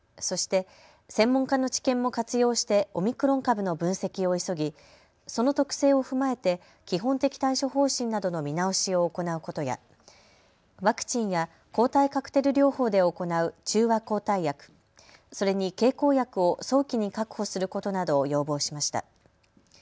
そして専門家の知見も活用してオミクロン株の分析を急ぎその特性を踏まえて基本的対処方針などの見直しを行うことやワクチンや抗体カクテル療法で行う中和抗体薬、それに経口薬を早期に確保することなどを要望しました。